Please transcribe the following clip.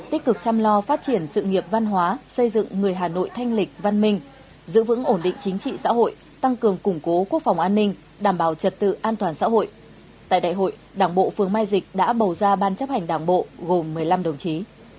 tích cực chăm lo phát triển sự nghiệp văn hóa xây dựng người hà nội thanh lịch văn minh giữ vững ổn định chính trị xã hội tăng cường củng cố quốc phòng an ninh đảm bảo trật tự an toàn xã hội